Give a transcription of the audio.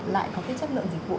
lại có cái chất lượng dịch vụ